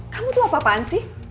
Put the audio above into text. kamu tuh apa apaan sih